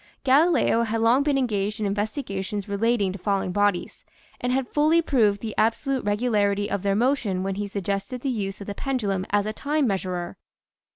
Galileo had long been engaged in investigations relating to falling bodies and had fully proved the absolute regularity of their motion when he suggested the use of the pendulum as a time measurer.